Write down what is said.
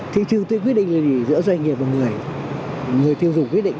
thị trường tự quyết định là gì giữa doanh nghiệp và người tiêu dụng quyết định